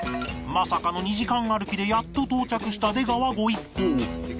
まさかの２時間歩きでやっと到着した出川御一行